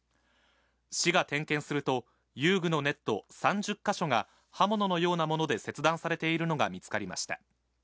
市が点検すると、遊具のネット３０か所が刃物のようなもので切断されているのが見つかりました。